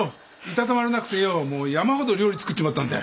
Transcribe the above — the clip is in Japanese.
居たたまれなくてよ山ほど料理作っちまったんだよ。